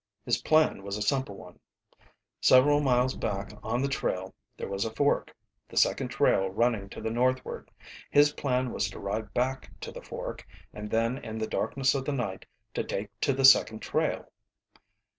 His plan was a simple one. Several miles back on the trail there was a fork, the second trail running to the northward. His plan was to ride back to the fork, and then in the darkness of the night to take to the second trail.